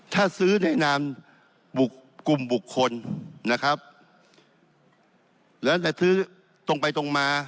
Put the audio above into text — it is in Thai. ถ้าซื้อในนามบุกกลุ่มบุคคลนะครับแล้วจะซื้อตรงไปตรงมา